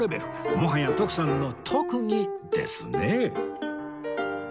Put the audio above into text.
もはや徳さんの特技ですね